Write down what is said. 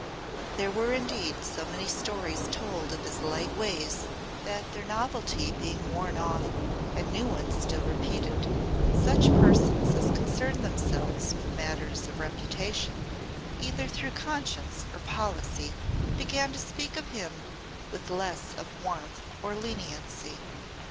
There were indeed so many stories told of his light ways, that their novelty being worn off and new ones still repeated, such persons as concerned themselves with matters of reputation either through conscience or policy, began to speak of him with less of warmth or leniency.